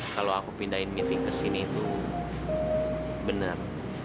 kalau aku pindahin meeting kesini itu benar